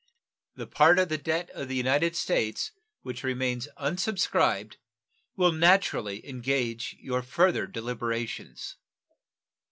The part of the debt of the United States which remains unsubscribed will naturally engage your further deliberations.